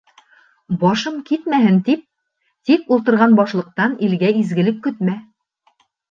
Башым китмәһен тип, тик ултырған башлыҡтан илгә изгелек көтмә.